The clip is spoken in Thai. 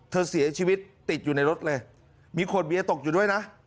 เธอเสียชีวิตติดอยู่ในรถเลยมีขวดเบียร์ตกอยู่ด้วยนะ